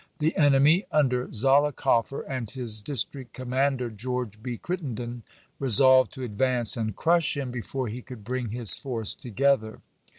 The enemy, under Zollicoffer and his district commander, George B. Crittenden, resolved to advance and crush him be fore he could bring his force together.